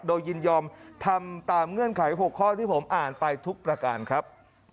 โดยยินยอมทำตามเงื่อนไข๖ข้อที่ผมอ่านไปทุกประการครับ